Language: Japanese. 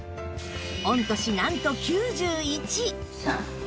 御年なんと９１